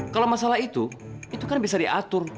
kalau masalah itu itu kan bisa diatur